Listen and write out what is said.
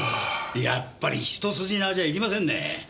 やっぱり一筋縄じゃいきませんねえ。